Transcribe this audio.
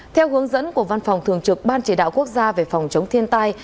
theo hướng dẫn của văn phòng thường trực ban chỉ đạo quốc gia về phòng chống thiên tai